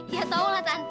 ya tau lah tante